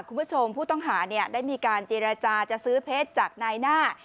คุณผู้ชมผู้ต้องหาได้มีการเจรจาจะซื้อเพชรจากนายหน้า